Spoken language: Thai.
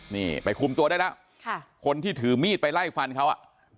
นี่ไปคุมตัวได้แล้วค่ะคนที่ถือมีดไปไล่ฟันเขาอ่ะ